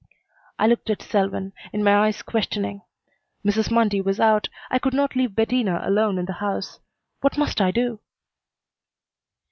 I looked at Selwyn, in my eyes questioning. Mrs. Mundy was out. I could not leave Bettina alone in the house. What must I do?